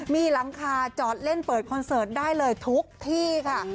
มีหลังคาจอดเล่นเปิดคอนเสิร์ตได้เลยทุกที่ค่ะ